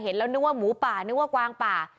เห็นแล้วนึกว่าหมูป่านึกว่ากวางป่า